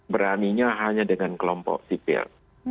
beraninya hanya dengan kelompok sipil